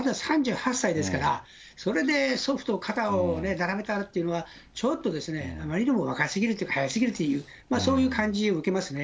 総書記は、まだ３８歳ですから、それで祖父と肩を並べたというのは、ちょっと、あまりにも若すぎるというか、早すぎるというか、そういう感じ受けますね。